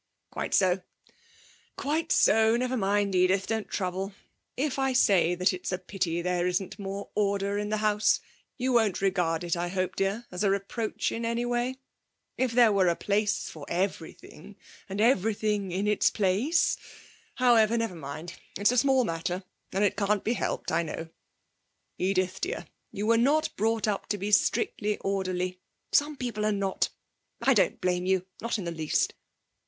'Quite so ... quite so. Never mind, Edith, don't trouble. If I say that it's a pity there isn't more order in the house you won't regard it, I hope, dear, as a reproach in any way. If there were a place for everything, and everything in its place However! Never mind. It's a small matter, and it can't be helped. I know, Edith dear, you were not brought up to be strictly orderly. Some people are not. I don't blame you; not in the least.